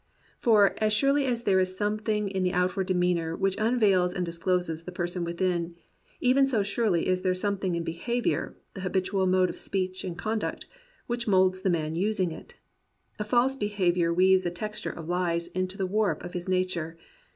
For, as surely as there is something in the out ward demeanour which unveils and discloses the person within, even so surely is there something in behavioin*, the habitual mode of speech and conduct, which moulds the man using it. A false behaviour weaves a texture of lies into the warp of his nature.